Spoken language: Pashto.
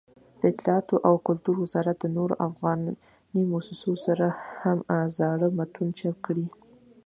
دطلاعاتو او کلتور وزارت د نورو افغاني مؤسسو سره هم زاړه متون چاپ کړي.